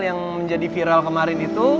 yang menjadi viral kemarin itu